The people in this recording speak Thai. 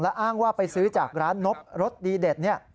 แล้วอ้างว่าไปซื้อจากร้านนบรสดีเด็ด